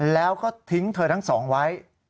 แล้วก็ทิ้งเธอทั้งสองไว้